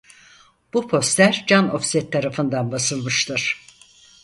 Bu poster Can Ofset tarafından basılmıştır.